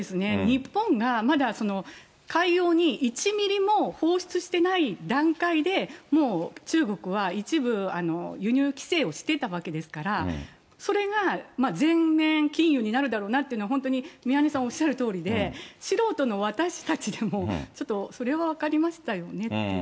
日本がまだ海洋に１ミリも放出してない段階で、もう中国は一部輸入規制をしてたわけですから、それが全面禁輸になるだろうなっていうのは、本当に宮根さんおっしゃるとおりで、素人の私たちでもちょっとそれは分かりましたよねっていう。